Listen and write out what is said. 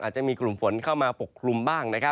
จะมีกลุ่มฝนเข้ามาปกคลุมบ้าง